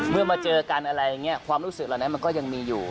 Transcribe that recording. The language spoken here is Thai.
มาเจอกันอะไรอย่างนี้ความรู้สึกเหล่านั้นมันก็ยังมีอยู่